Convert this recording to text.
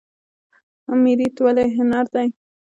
میریت ولې هنر دی؟